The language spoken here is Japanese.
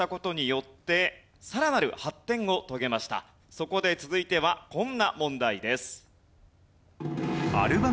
そこで続いてはこんな問題です。